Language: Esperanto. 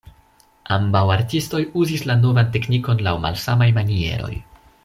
Ambaŭ artistoj uzis la novan teknikon laŭ malsamaj manieroj.